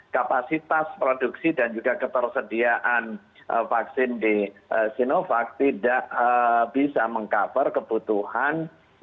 kapasitas produksi dan juga ketersediaan vaksin di sinovac tidak bisa meng cover kebutuhan